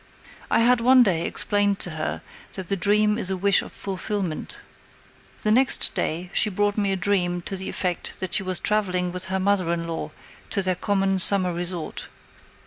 I had one day explained to her that the dream is a wish of fulfillment. The next day she brought me a dream to the effect that she was traveling with her mother in law to their common summer resort.